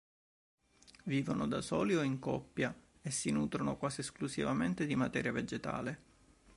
Vivono da soli o in coppia e si nutrono quasi esclusivamente di materia vegetale.